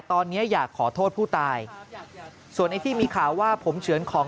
ตอนนี้อยากขอโทษผู้ตายส่วนไอ้ที่มีข่าวว่าผมเฉือนของ